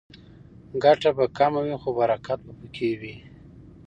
ګټه به کمه وي خو برکت به پکې وي.